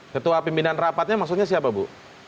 ketua pimpinan rapatnya maksudnya siapa bu